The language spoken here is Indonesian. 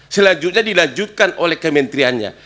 selanjutnya dilanjutkan oleh kementeriannya